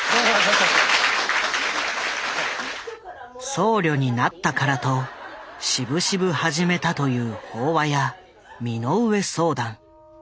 僧侶になったからとしぶしぶ始めたという法話や身の上相談。